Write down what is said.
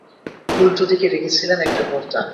উল্টো দিকে রেখেছিলেন একটা পর্দা।